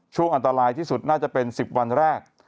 ช่วงอันตรายที่สุดน่าจะเป็น๑๐วันแรก